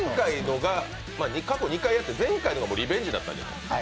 過去２回やって、前回のがリベンジだったじゃないですか。